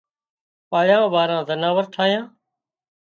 پاۯيا واۯان زناور ٺاهيان